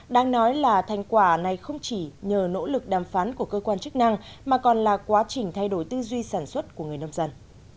đang nói là thành quả này không chỉ nhờ nỗ lực đàm phán của cơ quan chức năng mà còn là quá trình thay đổi tư duy sản xuất của người nông dân